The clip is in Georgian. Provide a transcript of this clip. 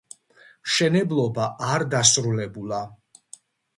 მშენებლობა არ დასრულებულა.